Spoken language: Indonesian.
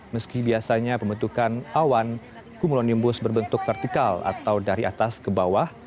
meski biasanya pembentukan awan cumulonimbus berbentuk vertikal atau dari atas ke bawah